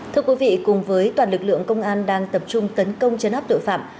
thưa quý vị cùng với toàn lực lượng công an đang tập trung tấn công chấn áp tội phạm